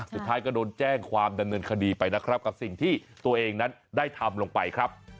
สุดท้ายก็โดนแจ้งความดำเนินคดีไปนะครับกับสิ่งที่ตัวเองนั้นได้ทำลงไปครับ